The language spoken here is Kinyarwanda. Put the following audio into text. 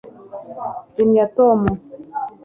zimya, tom